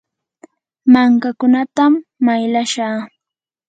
mankakunatam maylashaa.